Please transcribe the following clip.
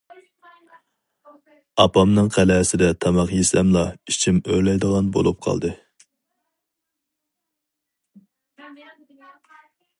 ئاپامنىڭ قەلئەسىدە تاماق يېسەملا ئىچىم ئۆرلەيدىغان بولۇپ قالدى.